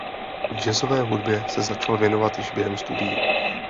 Jazzové hudbě se začal věnovat již během studií.